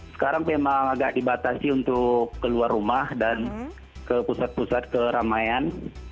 sekarang memang agak dibatasi untuk keluar rumah dan ke pusat pusat keramaian